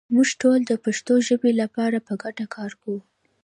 موږ ټول د پښتو ژبې لپاره په ګډه کار کوو.